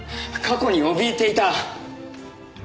過去におびえていた。